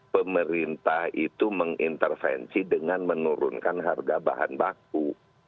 pemerintah itu mengintervensi dengan menurunkan harga bahan baku